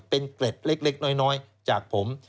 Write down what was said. เป็นเกล็ดเล็กน้อยจากผม